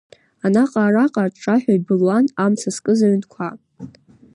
Анаҟа-араҟа аҿҿаҳәа ибылуан амца зкыз аҩнқәа.